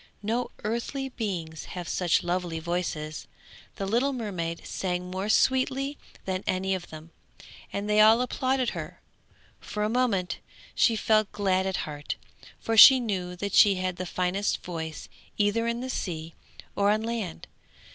No earthly beings have such lovely voices. The little mermaid sang more sweetly than any of them, and they all applauded her. For a moment she felt glad at heart, for she knew that she had the finest voice either in the sea or on land.